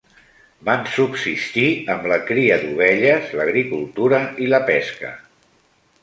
Van subsistir amb la cria d'ovelles, l'agricultura i la pesca.